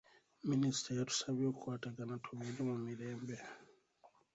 Minisita yatusabye okukwatagana tubeere mu mirembe.